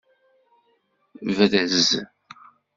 Brez.